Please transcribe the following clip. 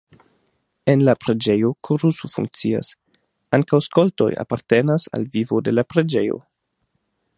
En la preĝejo koruso funkcias, ankaŭ skoltoj apartenas al vivo de la preĝejo.